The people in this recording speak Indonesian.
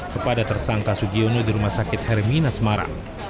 kepada tersangka sugiono di rumah sakit hermina semarang